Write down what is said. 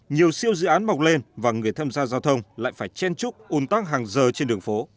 nhiều siêu dự án mọc lên và người tham gia giao thông lại phải chen trúc un tắc hàng giờ trên đường phố